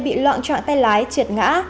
bị loạn trọng tay lái triệt ngã